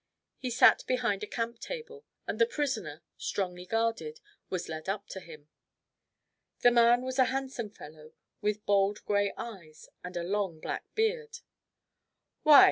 He sat behind a camp table, and the prisoner, strongly guarded, was led up to him. The man was a handsome fellow, with bold grey eyes and a long black beard. "Why!"